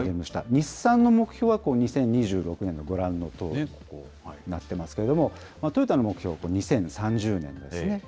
日産の目標は、２０２６年のご覧のとおり、ここになっていますけれども、トヨタの目標は２０３０年ですね。